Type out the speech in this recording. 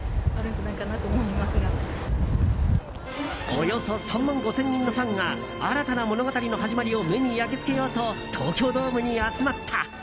およそ３万５０００人のファンが新たな物語の始まりを目に焼き付けようと東京ドームに集まった。